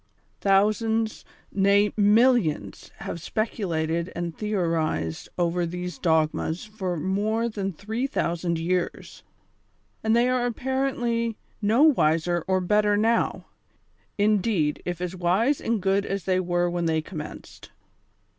Thousands, nay, millions have speculated and theorized over these dogmas for more than tliree thousand years, and they are apparently no wiser or better now ; indeed, if as wise and good as they were when they commenced.